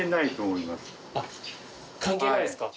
関係ないですか？